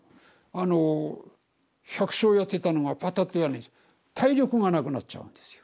あの百姓やってたのがパタッとやんねえし体力がなくなっちゃうんですよ。